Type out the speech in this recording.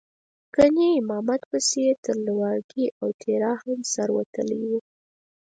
ګنې امامت پسې یې تر لواړګي او تیرا هم سر وتلی و.